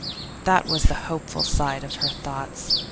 That was the hopeful side of her thoughts.